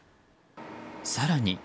更に。